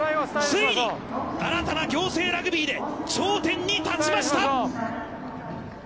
ついに新たな仰星ラグビーで頂点に立ちました。